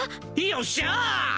よっしゃあ！